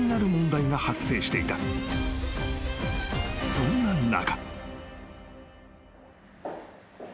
［そんな中］